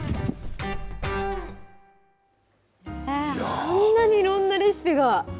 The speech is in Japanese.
こんなにいろんなレシピが。